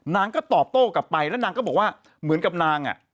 นางก็ตอบโต้กลับไปแล้วนางก็บอกว่าเหมือนกับนางอ่ะ